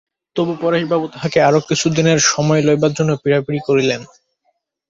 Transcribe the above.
তবু পরেশবাবু তাহাকে আরো কিছুদিনের সময় লইবার জন্য পীড়াপীড়ি করিলেন।